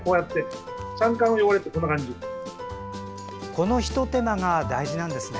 このひと手間が大事なんですね。